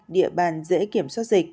địa bàn dễ kiểm soát dịch